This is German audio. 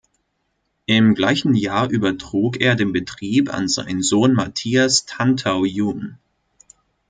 Im gleichen Jahr übertrug er den Betrieb an seinen Sohn Mathias Tantau jun.